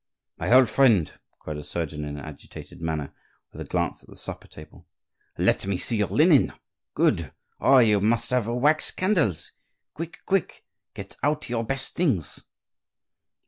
"My old friend!" cried the surgeon, in an agitated manner, with a glance at the supper table, "let me see your linen. Good. Oh! you must have wax candles. Quick, quick! get out your best things!"